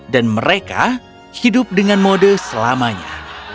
dan mereka hidup dengan mode selamanya